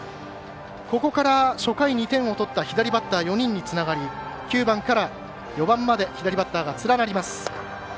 ここから初回２点を取った左バッター４人につながり９番から４番まで左バッターが連なります。